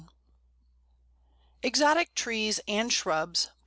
EXOTIC TREES AND SHRUBS.